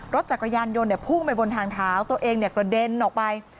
รถจักรยานยนต์พุ่งไปบนทางเท้าตัวเองเนี่ยกระเด็นออกไป